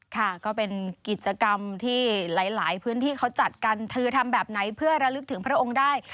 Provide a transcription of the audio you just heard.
ค่ะก็เป็นกิจกรรมที่หลายพื้นที่เขาจัดกันเธอทำแบบไหนเพื่อระลึกถึงพระองค์ได้